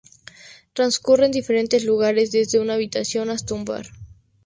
Transcurre en diferentes lugares, desde una habitación hasta un bar.